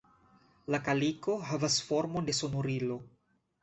La kaliko havas formon de sonorilo.